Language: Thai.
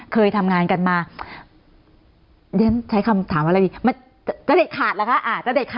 เคยทำงานกันมาใช้คำถามอะไรดีจะได้ขาดหรือคะ